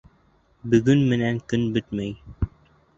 Бөгөн менән көн бөтмәй.